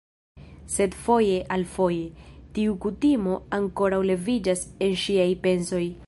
Sed, foje al foje, tiu kutimo ankoraŭ leviĝas en ŝiaj pensoj